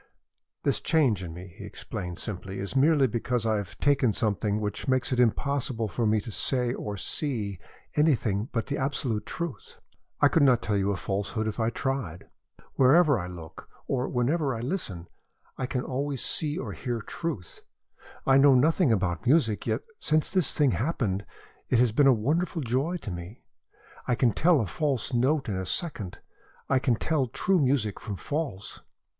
"This change in me," he explained simply, "is merely because I have taken something which makes it impossible for me to say or see anything but the absolute truth. I could not tell you a falsehood if I tried. Wherever I look, or whenever I listen, I can always see or hear truth. I know nothing about music, yet since this thing happened it has been a wonderful joy to me. I can tell a false note in a second, I can tell true music from false.